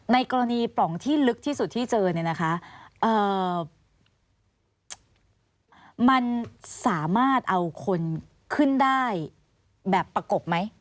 ในกรณีปล่องที่ลึกที่สุดที่เจอเนี่ยนะคะมันสามารถเอาคนขึ้นได้แบบประกบไหม